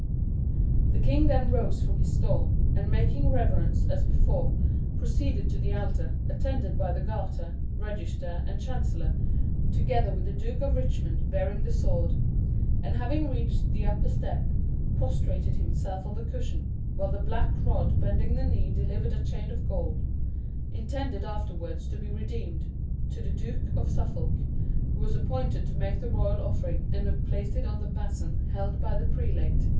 The king then rose from his stall, and making a reverence as before, proceeded to the altar, attended by the Garter, register, and chancellor, together with the Duke of Richmond bearing the sword; and having reached the upper step, prostrated himself on the cushion, while the black rod bending the knee delivered a chain of gold, intended afterwards to be redeemed, to the Duke of Suffolk, who was appointed to make the royal offering, and who placed it in the bason held by the prelate.